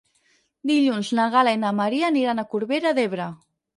Dilluns na Gal·la i na Maria aniran a Corbera d'Ebre.